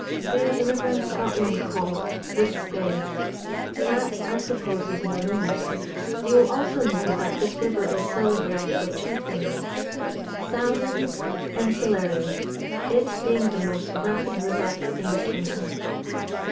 There is a river in Scotland called the Spey; that I suppose is no news. You will also know that this river is celebrated for two things salmon and celerity, it being the most rapid river in the kingdom.